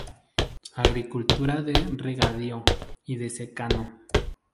Agricultura de regadío y de secano.